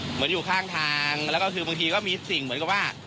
อยู่ข้างทางแล้วก็คือบางทีก็มีสิ่งเหมือนกับว่า